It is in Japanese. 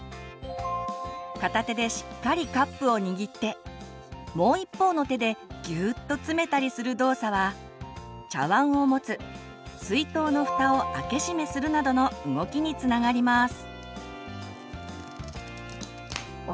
片手でしっかりカップをにぎってもう一方の手でギューッと詰めたりする動作は茶わんを持つ水筒のふたを開け閉めするなどの動きにつながります。